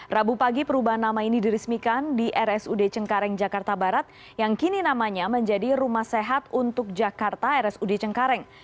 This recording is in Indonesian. rabu pagi perubahan nama ini dirismikan di rsud cengkareng jakarta barat yang kini namanya menjadi rumah sehat untuk jakarta rsud cengkareng